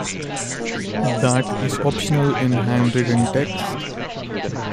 That is optional in handwritten text.